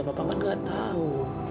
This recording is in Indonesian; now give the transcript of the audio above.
papa kan tidak tahu